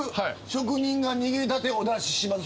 「職人が握りたてをお出しします